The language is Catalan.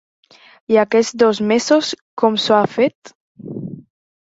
I aquests dos mesos com s’ho ha fet?